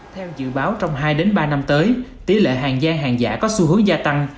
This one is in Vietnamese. theo dự báo trong hai ba năm tới tỷ lệ hàng gian hàng giả có xu hướng gia tăng